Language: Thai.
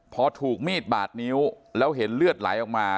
พอถูกมีดบาดนิ้วแล้วเห็นเลือดไหลออกมา